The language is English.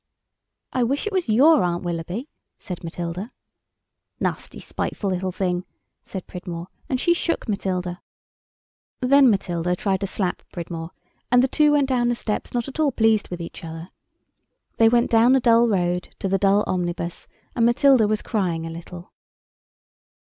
"I wish it was your Aunt Willoughby," said Matilda. "Nasty, spiteful little thing!" said Pridmore, and she shook Matilda. Then Matilda tried to slap Pridmore, and the two went down the steps not at all pleased with each other. They went down the dull road to the dull omnibus, and Matilda was crying a little.